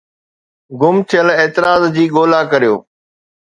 گم ٿيل اعتراض جي ڳولا ڪريو